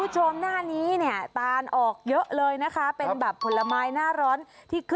สักที